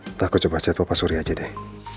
nanti aku coba chat papa surya aja deh